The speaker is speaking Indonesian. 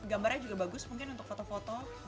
gambarnya juga bagus mungkin untuk foto foto